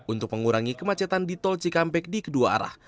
untuk mengurangi kemacetan di tol cikampek di kedua arah